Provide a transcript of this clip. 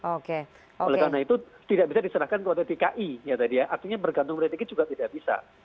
oleh karena itu tidak bisa diserahkan kepada dki ya tadi ya artinya bergantung berarti juga tidak bisa